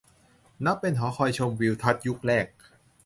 นับเป็นหอคอยชมทิวทัศน์ยุคแรก